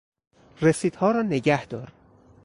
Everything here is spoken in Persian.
رسیدها را نگهدار.